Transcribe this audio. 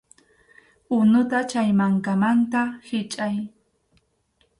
Unuta chay mankamanta hichʼay.